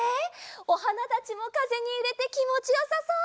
おはなたちもかぜにゆれてきもちよさそう！